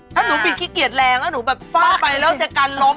ถ้าหนูปิดขี้เกียจแรงแล้วหนูแบบฟาดไปแล้วจะกันล้ม